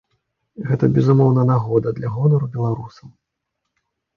Гэта безумоўная нагода для гонару беларусаў.